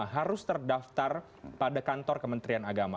harus terdaftar pada kantor kementerian agama